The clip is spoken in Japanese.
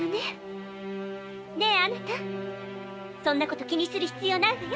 ねえあなたそんなこと気にする必要ないのよ。